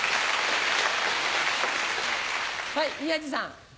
はい宮治さん。